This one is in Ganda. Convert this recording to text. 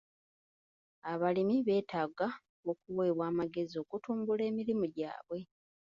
Abalimi betaaga okuwebwa amagezi okutumbula emirimu gyabwe.